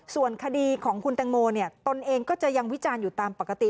ส่วนคดีของคุณตังโมตนเองก็จะยังวิจารณ์อยู่ตามปกติ